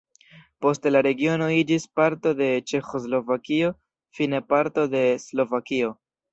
Poste la regiono iĝis parto de Ĉeĥoslovakio, fine parto de Slovakio.